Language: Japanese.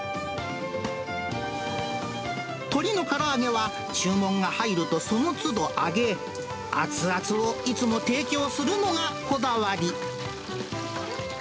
鶏のから揚げは、注文が入るとそのつど揚げ、熱々をいつも提供するのがこだわり。